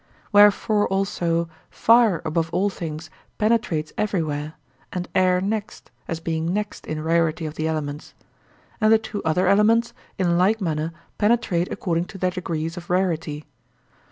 Wherefore, also, fire above all things penetrates everywhere, and air next, as being next in rarity of the elements; and the two other elements in like manner penetrate according to their degrees of rarity.